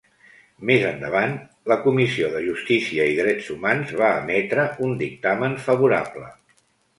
Més endavant, la Comissió de Justícia i Drets Humans va emetre un dictamen favorable.